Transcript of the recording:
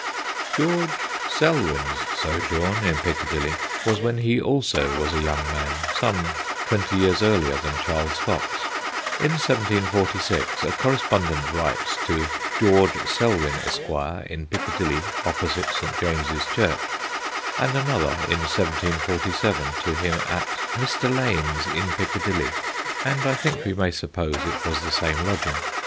George Selwyn's sojourn in Piccadilly was when he also was a young man, some twenty years earlier than Charles Fox. In 1746, a correspondent writes to 'George Selwyn, Esq., in Piccadilly opposite St. James's Church/ and another in 1747 to him 'at Mr. Lane's, in Piccadilly,' and I think we may suppose it was the same lodging.